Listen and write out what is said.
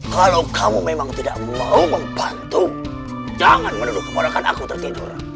kalau kamu memang tidak mau membantu jangan menuduh kemarakan aku tertidur